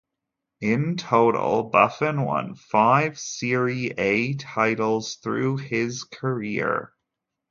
In total, Buffon won five Serie A titles throughout his career.